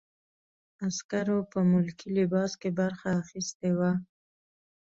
عسکرو په ملکي لباس کې برخه اخیستې وه.